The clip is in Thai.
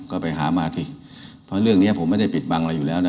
ก็ไปหามาสิเพราะเรื่องนี้ผมไม่ได้ปิดบังอะไรอยู่แล้วนะ